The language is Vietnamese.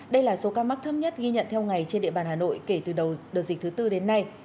đây là số ca mắc thâm nhất ghi nhận theo ngày trên địa bàn hà nội kể từ đầu đợt dịch thứ bốn đến nay